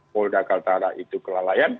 polda kaltara itu kelalaian